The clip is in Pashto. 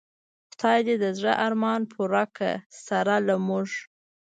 خدای دی د زړه ارمان پوره که سره له مونږه